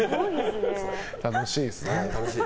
楽しいですね。